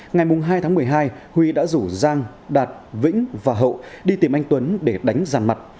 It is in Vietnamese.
ngày hai tháng một mươi hai huy đã rủ giang đạt vĩnh và hậu đi tìm anh tuấn để đánh giàn mặt